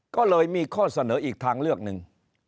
ก็เลยมีข้อเสนออีกทางเลือกหนึ่ง